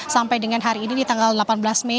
sampai dengan hari ini di tanggal delapan belas mei